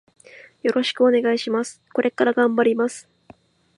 よろしくお願いします。これから頑張ります。